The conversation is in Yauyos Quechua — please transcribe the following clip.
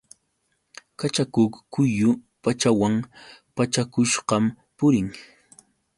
Kachakuq quyu pachawan pachakushqam purin.